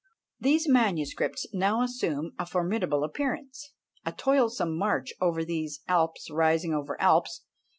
These manuscript collections now assume a formidable appearance. A toilsome march over these "Alps rising over Alps!"